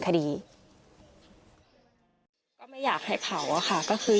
พี่น้องวาหรือว่าน้องวาหรือ